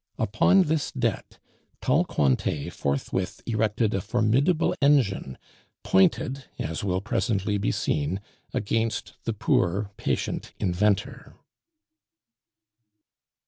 Upon this debt, tall Cointet forthwith erected a formidable engine, pointed, as will presently be seen, against the poor, patient inventor.